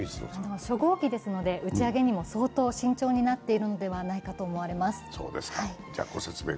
初号機ですので、打ち上げにも相当慎重になっているのではないかと思われます。